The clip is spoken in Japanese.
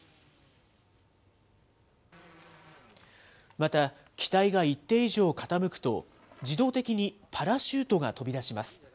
また、機体が一定以上傾くと、自動的にパラシュートが飛び出します。